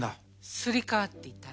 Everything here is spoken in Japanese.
すり替わっていたんです。